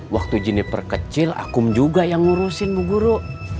waktu jennifer kecil akum juga yang ngurusin bu guru